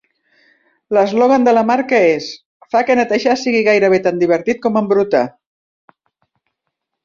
L'eslògan de la marca és: "Fa que netejar sigui gairebé tan divertit com embrutar".